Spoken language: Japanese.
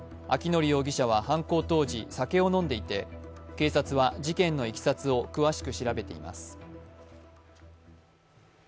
明典容疑者は犯行当時、酒を飲んでいたということで警察は事件のいきさを詳しく調べています。